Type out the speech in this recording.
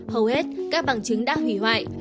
hầu hết các bằng chứng đã hủy hoại